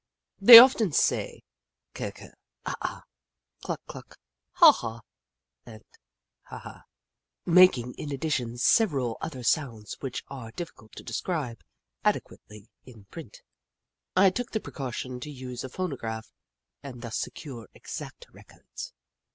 They often say ker ker, ah ak, cluck cluck, haw haw, and ha ha, makinor in addition several other sounds which are difficult to describe adequately in print. Jim Crow 119 I took the precaution to use a phonograph, and thus secure exact records.